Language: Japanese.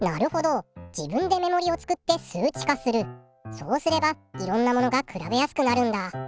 そうすればいろんなものが比べやすくなるんだ。